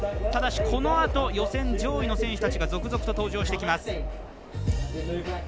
ただし、このあと予選上位の選手たちが登場してきます。